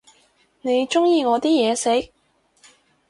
你鍾意我啲嘢食？